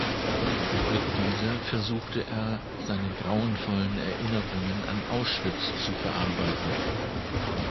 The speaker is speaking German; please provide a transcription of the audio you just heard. Mit dieser versuchte er, seine grauenvollen Erinnerungen an Auschwitz zu verarbeiten.